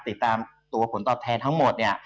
ติดตามตัวผลตอบแทนทั้งหมดเนี่ย